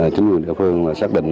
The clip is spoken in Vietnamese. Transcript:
chính quyền địa phương xác định